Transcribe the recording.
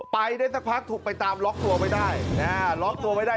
ไปได้สักพักถูกไปตามล็อกตัวไม่ได้